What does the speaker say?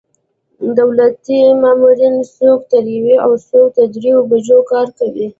دولتي مامورین څوک تر یوې او څوک تر درېیو بجو کار کوي.